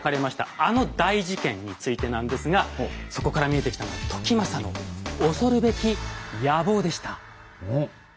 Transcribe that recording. あの大事件についてなんですがそこから見えてきたのは時政の恐るべき野望でした。